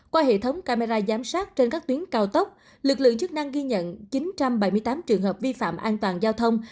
qua hệ thống camera giám sát trên các tuyến cao tốc lực lượng chức năng ghi nhận chín trăm bảy mươi tám trường hợp vi phạm an toàn giao thông